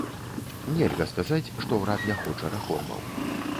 Нельга сказаць, што ўрад не хоча рэформаў.